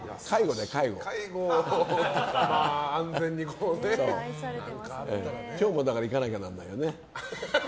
だから今日も行かなきゃならないよね。